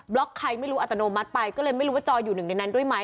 ล็อกใครไม่รู้อัตโนมัติไปก็เลยไม่รู้ว่าจอยอยู่หนึ่งในนั้นด้วยไหม